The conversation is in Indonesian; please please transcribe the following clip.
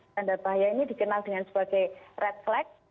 tanda bahaya ini dikenal dengan sebagai red flag